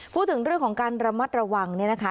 พูดถึงเรื่องของการระมัดระวังเนี่ยนะคะ